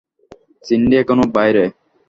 সিন্ডি এখনো বাইরে।